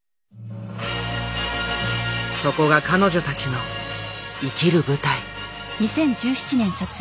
そこが彼女たちの生きる舞台。